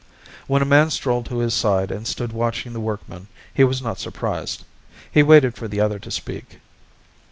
When a man strolled to his side and stood watching the workmen, he was not surprised. He waited for the other to speak.